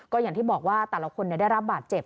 ก็อย่างที่บอกว่าแต่ละคนได้รับบาดเจ็บ